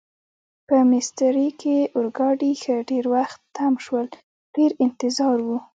په میسترې کې اورګاډي ښه ډېر وخت تم شول، ډېر انتظار و.